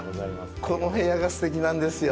この部屋がすてきなんですよ。